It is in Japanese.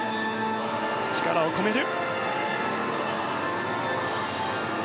力を込める。